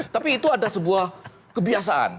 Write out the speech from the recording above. tapi itu ada sebuah kebiasaan